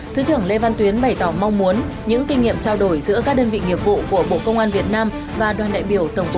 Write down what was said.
thứ trưởng lê văn tuyến bày tỏ mong muốn những kinh nghiệm trao đổi giữa hai bộ thiết thực và hiệu quả